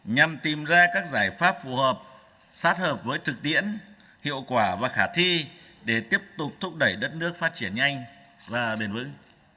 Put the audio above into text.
nhằm tìm ra các giải pháp phù hợp sát hợp với thực tiễn hiệu quả và khả thi để tiếp tục thúc đẩy đất nước phát triển nhanh và bền vững